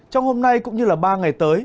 trong hôm nay cũng như là ba ngày